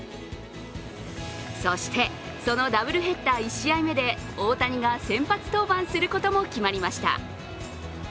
そして、そのダブルヘッダー１試合目で大谷が先発登板することも決まりました。